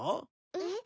えっ！？